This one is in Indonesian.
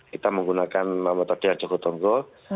kita menggunakan metode jogotongo